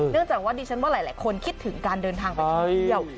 จากว่าดิฉันว่าหลายคนคิดถึงการเดินทางไปท่องเที่ยว